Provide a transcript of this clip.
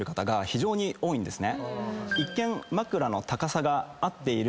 一見。